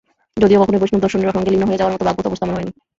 যদিও কখনোই বৈষ্ণব-দর্শনের সঙ্গে লীন হয়ে যাওয়ার মতো ভাবগত অবস্থা আমার হয়নি।